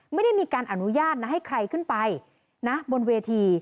ไม่ได้มีการอนุญาตนะให้ใครขึ้นไปนะบนเวที